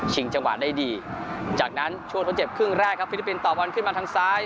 จังหวะได้ดีจากนั้นช่วงทดเจ็บครึ่งแรกครับฟิลิปปินส์ต่อบอลขึ้นมาทางซ้าย